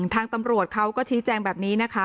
ทางตำรวจเขาก็ชี้แจงแบบนี้นะคะ